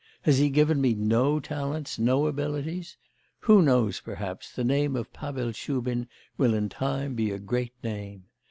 Has He given me no talents, no abilities? Who knows, perhaps, the name of Pavel Shubin will in time be a great name?